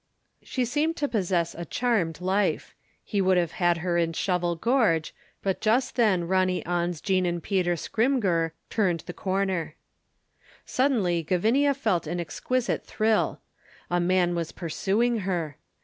She seemed to possess a charmed life. He would have had her in Shovel Gorge, but just then Ronny On's Jean and Peter Scrymgeour turned the corner. Suddenly Gavinia felt an exquisite thrill: a man was pursuing her.